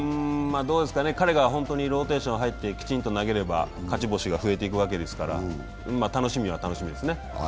どうですかね、彼がローテーションに入ってきちんと投げれば勝ち星は増えていきますから楽しみは楽しみですね。